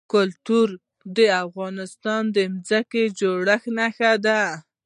کلتور د افغانستان د ځمکې د جوړښت نښه ده.